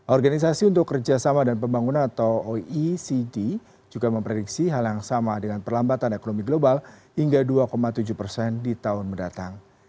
organisasi untuk kerjasama dan pembangunan atau oecd juga memprediksi hal yang sama dengan perlambatan ekonomi global hingga dua tujuh persen di tahun mendatang